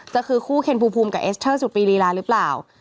จะคือคู่เคนภูมิภูมิกับเอสเตอร์สุปรีรีลาหรือเปล่า